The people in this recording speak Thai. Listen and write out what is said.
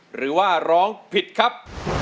หรือว่าร้องผิดครับ